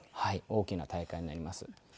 大きな大会になります。